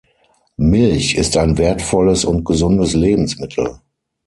Milch ist ein wertvolles und gesundes Lebensmittel.